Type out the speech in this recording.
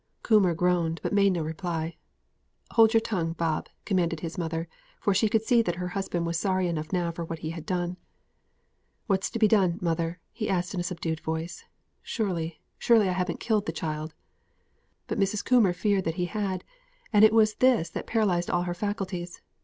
Coomber groaned, but made no reply. "Hold your tongue, Bob," commanded his mother; for she could see that her husband was sorry enough now for what he had done. "What's to be done, mother?" he asked, in a subdued voice; "surely, surely I haven't killed the child!" But Mrs. Coomber feared that he had, and it was this that paralysed all her faculties.